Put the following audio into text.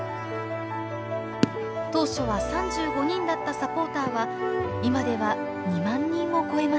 当初は３５人だったサポーターは今では２万人を超えました。